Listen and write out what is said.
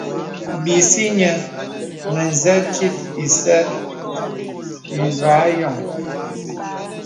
Bisi nyɛ mə̀zə tit ǐsə iva yɔŋ.